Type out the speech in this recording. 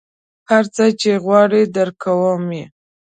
هر څه چې غواړې درکوم یې.